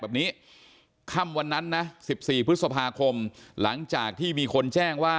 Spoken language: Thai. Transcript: แบบนี้ค่ำวันนั้นนะ๑๔พฤษภาคมหลังจากที่มีคนแจ้งว่า